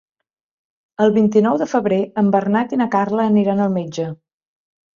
El vint-i-nou de febrer en Bernat i na Carla aniran al metge.